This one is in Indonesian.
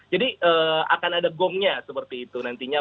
jadi akan ada gomnya seperti itu nantinya